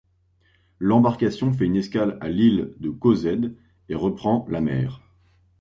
L'embarcation fait une escale à l'île de Gozed et reprend la mer.